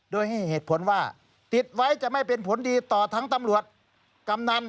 โดยให้เหตุผลว่าติดไว้จะไม่เป็นผลดีต่อทั้งตำรวจกำนัน